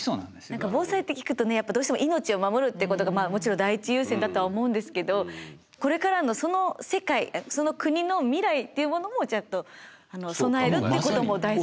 何か防災って聞くとねやっぱどうしても命を守るってことがもちろん第一優先だとは思うんですけどこれからのその世界その国の未来っていうものもちゃんと備えるっていうことも大事なんですか。